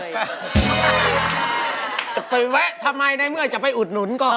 จะไปแวะทำไมในเมื่อจะไปอุดหนุนก่อน